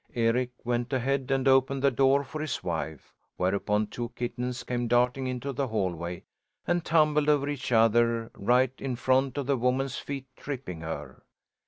Eric went ahead and opened the door for his wife, whereupon two kittens came darting into the hallway and tumbled over each other right in front of the woman's feet, tripping her.